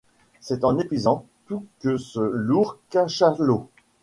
C’est en épuisant tout que ce lourd cachalot